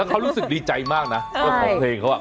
เขารู้สึกดีใจมากนะเจ้าของเพลงเขา